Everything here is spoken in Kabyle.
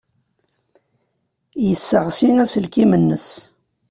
Yesseɣsi aselkim-nnes.